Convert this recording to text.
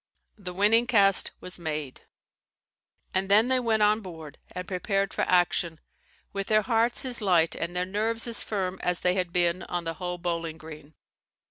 The winning cast was made; and then they went on board and prepared for action, with their hearts as light and their nerves as firm as they had been on the Hoe Bowling Green.